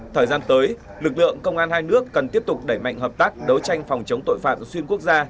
thời gian tới lực lượng công an hai nước cần tiếp tục đẩy mạnh hợp tác đấu tranh phòng chống tội phạm xuyên quốc gia